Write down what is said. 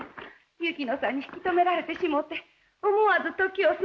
雪野さんに引き止められてしもうて思わず時を過ごしました。